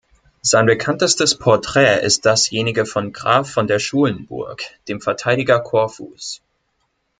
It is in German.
Sein bekanntestes Porträt ist dasjenige von Graf von der Schulenburg, dem Verteidiger Korfus.